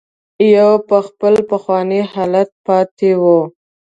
يوه په خپل پخواني حالت پاتې وه.